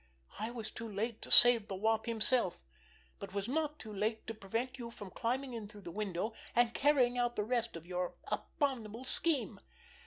I was too late to save the Wop himself, but was not too late to prevent you from climbing in through that window, and carrying out the rest of your abominable scheme."